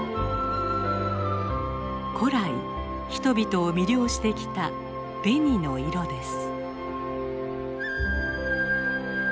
古来人々を魅了してきた紅の色です。